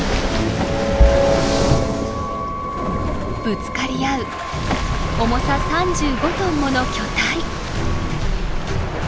ぶつかり合う重さ３５トンもの巨体。